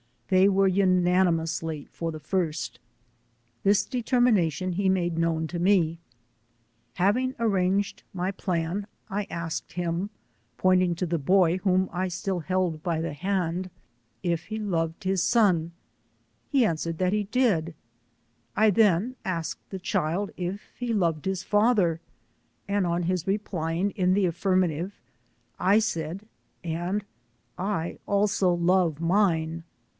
They were unanimously for the latter : This deter ninatiou he made known to me. Having arranged ''W^^: 38 My plan, » I asked him, pointing to the boy, whons I still held by the hand, if he loved his son, he answered that he did ; I then asked the child if he loved his father, and on his replying in the affirmative, I said, and " I also love mine.